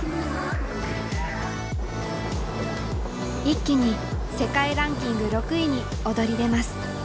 一気に世界ランキング６位に躍り出ます。